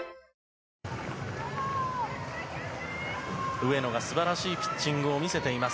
上野が素晴らしいピッチングを見せています。